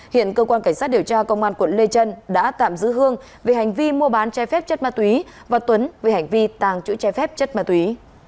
hiện cơ quan cảnh sát điều tra công an quận lê trân đã tạm giữ hương về hành vi mua bán trái phép chất ma túy và tuấn về hành vi tàng trữ trái phép chất ma túy